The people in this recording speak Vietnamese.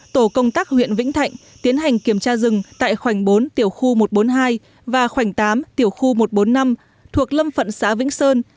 tổ công tác huyện vĩnh thạnh tiến hành kiểm tra rừng tại khoảnh bốn tiểu khu một trăm bốn mươi hai và khoảnh tám tiểu khu một trăm bốn mươi năm thuộc lâm phận xã vĩnh sơn